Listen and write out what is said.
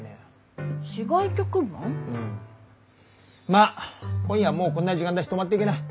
まあ今夜はもうこんな時間だし泊まっていきな。